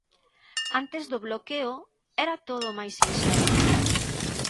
Antes do bloqueo era todo máis sinxelo.